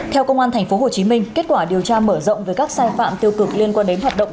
theo công an tp hcm kết quả điều tra mở rộng về các sai phạm tiêu cực liên quan đến hoạt động